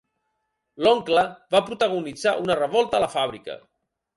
L'oncle va protagonitzar una revolta a la fàbrica.